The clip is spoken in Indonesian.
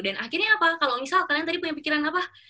akhirnya apa kalau misal kalian tadi punya pikiran apa